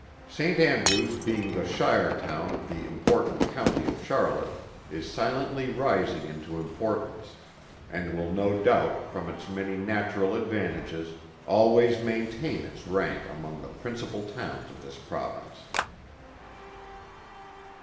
Saint Andrews being the shire town of the important County of Charlotte, is silently rising into importance; and will no doubt from its many natural advantages, always maintain its rank among the principal towns of this Province.